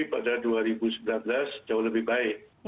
pada dua ribu sembilan belas jauh lebih baik